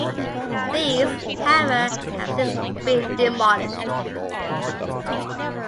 These, however, have since been demolished.